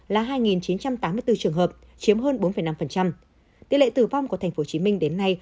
là hai chín trăm tám mươi bốn trường hợp chiếm hơn bốn năm tỷ lệ tử vong của tp hcm đến nay